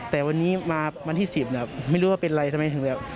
แต่วันนี้มาวันที่๑๐นะครับไม่รู้ว่าเป็นอะไรทำไมถึงแบบ